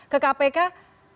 kemudian ke kpk